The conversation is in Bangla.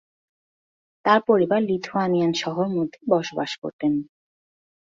তার পরিবার লিথুয়ানিয়ান শহর মধ্যে বসবাস করতেন।